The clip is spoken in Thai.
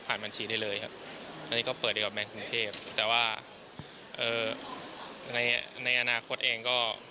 แค่ฝากแบงค์อยู่แต่ว่ายังไม่ได้ลงกองทุน